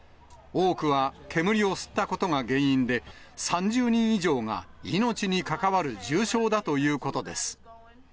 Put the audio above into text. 多くは煙を吸ったことが原因で、３０人以上が命に関わる重傷だということです。